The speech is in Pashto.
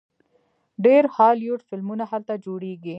ډیر هالیوډ فلمونه هلته جوړیږي.